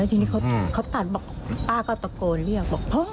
ทีนี้เขาตัดบอกป้าก็ตะโกนเรียก